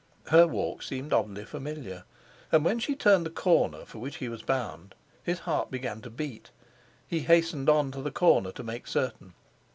Her walk seemed oddly familiar, and when she turned the corner for which he was bound, his heart began to beat. He hastened on to the corner to make certain.